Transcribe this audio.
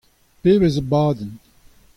Pebezh abadenn !